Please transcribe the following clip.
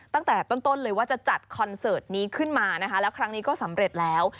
ตั้งแต่ต้นเลยว่าจะจัดคอนเสิร์ตนี้ขึ้นมานะคะแล้วครั้งนี้ก็สำเร็จแล้ว